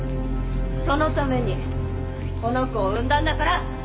そのためにこの子を産んだんだから！